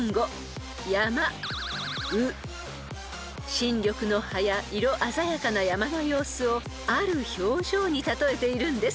［新緑の葉や色鮮やかな山の様子をある表情に例えているんです］